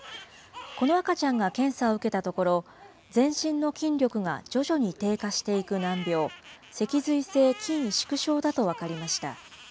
この赤ちゃんが検査を受けたところ、全身の筋力が徐々に低下していく難病、脊髄性筋萎縮症だと分かりました。